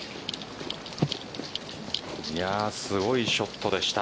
すごいショットでした。